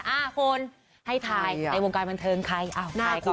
อ่าคนให้ทายในวงการบันเทิงใครอ้าวใครก่อน